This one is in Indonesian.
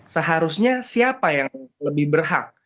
seharusnya siapa yang lebih berhak